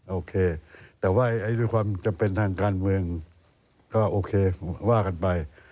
โอเคแต่ว่าด้วยความจำเป็นทางการเมืองก็โอเคว่ากันไป